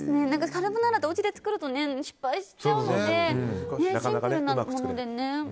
カルボナーラっておうちで作ると失敗しちゃうのでシンプルなもので。